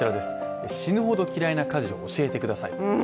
「死ぬほど嫌いな家事をおしえてください」。